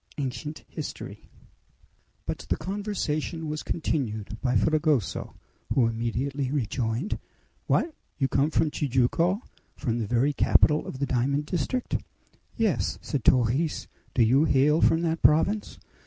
ANCIENT HISTORY But the conversation was continued by Fragoso, who immediately rejoined: "What! you come from Tijuco, from the very capital of the diamond district?" "Yes," said Torres. "Do you hail from that province?"